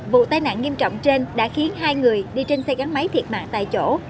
vụ tai nạn nghiêm trọng trên đã khiến hai người đi trên xe gắn máy thiệt mạng tại chỗ